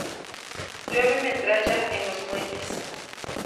Llueve metralla en los muelles.